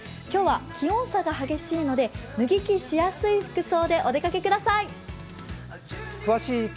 今日は気温差が激しいので脱ぎ着しやすい服装でお出かけください。